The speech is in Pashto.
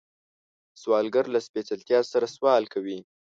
سوالګر له سپېڅلتیا سره سوال کوي